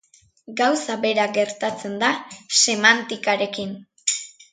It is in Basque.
Gauza bera gertatzen da semantikarekin.